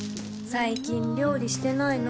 最近料理してないの？